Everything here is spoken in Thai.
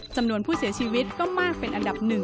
จำนวนผู้เสียชีวิตก็มากเป็นอันดับ๑